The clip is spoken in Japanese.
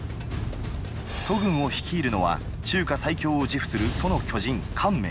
楚軍を率いるのは中華最強を自負する楚の巨人・汗明。